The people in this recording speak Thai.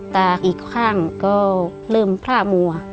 ตากอีกข้างก็เริ่มพล่ามัว